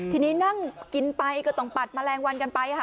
ทีนี้นั่งกินไปก็ต้องปัดแมลงวันกันไปค่ะ